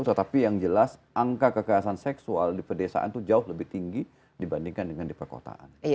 tetapi yang jelas angka kekerasan seksual di pedesaan itu jauh lebih tinggi dibandingkan dengan di perkotaan